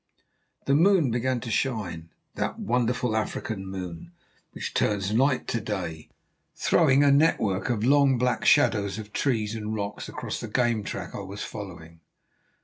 The moon began to shine—that wonderful African moon, which turns night to day—throwing a network of long, black shadows of trees and rocks across the game track I was following.